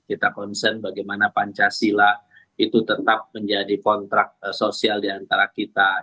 kita concern bagaimana pancasila itu tetap menjadi kontrak sosial diantara kita